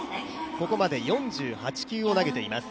ここまで４８球を投げています。